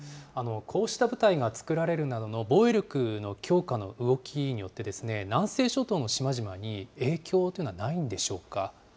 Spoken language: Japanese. こうした部隊が作られるなどの防衛力の強化の動きによって、南西諸島の島々に影響というのはないんでしょうか。